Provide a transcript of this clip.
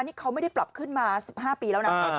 นี่เขาไม่ได้ปรับขึ้นมา๑๕ปีแล้วนะ